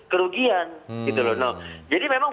kerugian jadi memang